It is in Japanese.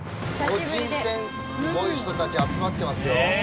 個人戦すごい人たち集まってますよ。